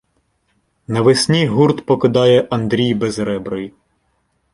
Навесні гурт покидає Андрій Безребрий.